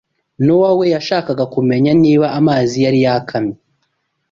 Nowa we yashakaga kumenya niba amazi yari yakamye